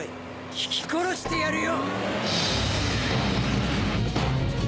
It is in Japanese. ひき殺してやるよ！